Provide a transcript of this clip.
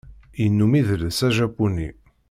Yennum idles ajapuni.